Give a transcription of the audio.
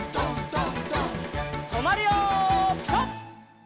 とまるよピタ！